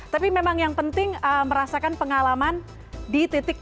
tapi memang yang penting merasakan pengalaman di titik